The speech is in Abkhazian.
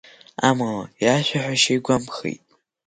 Амала иашәаҳәашьа игәамԥхеит.